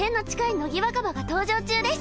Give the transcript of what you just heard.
乃木若葉が登場中です。